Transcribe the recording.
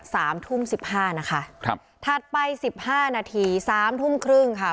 สามทุ่มสิบห้านะคะครับถัดไปสิบห้านาทีสามทุ่มครึ่งค่ะ